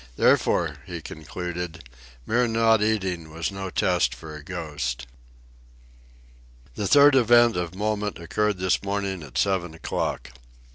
Therefore, he concluded, mere non eating was no test for a ghost. The third event of moment occurred this morning at seven o'clock.